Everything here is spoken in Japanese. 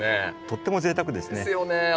とってもぜいたくですね。ですよね。